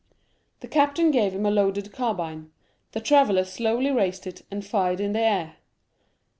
The captain gave him a loaded carbine; the traveller slowly raised it, and fired in the air.